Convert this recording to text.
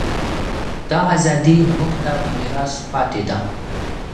دا ازادي موږ ته په میراث پاتې ده.